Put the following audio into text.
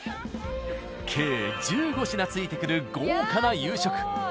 計１５品付いてくる豪華な夕食。